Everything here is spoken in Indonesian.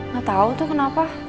gak tau tuh kenapa